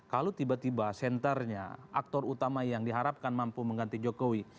kalau tiba tiba centernya aktor utama yang diharapkan mampu mengganti jokowi